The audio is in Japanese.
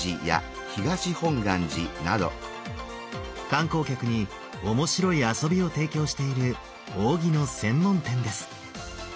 観光客に面白い遊びを提供している扇の専門店です。